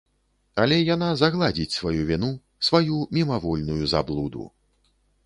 Але яна загладзіць сваю віну, сваю мімавольную заблуду!